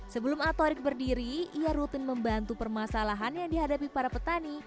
sebelum atorik berdiri ia rutin membantu permasalahan yang dihadapi para petani